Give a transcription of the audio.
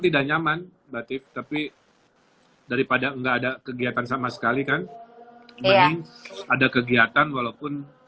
tidak nyaman batik tapi daripada enggak ada kegiatan sama sekali kan mending ada kegiatan walaupun